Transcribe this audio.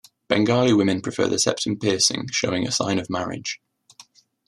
Bengali women prefer the septum piercing showing a sign of marriage.